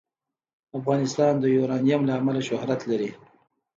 افغانستان د یورانیم له امله شهرت لري.